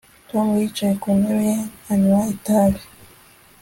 Tom yicaye ku ntebe anywa itabi